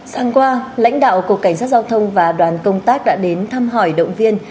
sáng qua lãnh đạo cục cảnh sát giao thông và đoàn công tác đã đến thăm hỏi động viên